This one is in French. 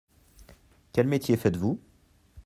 Quel métier faites-vous ?